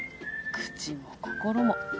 口も心も。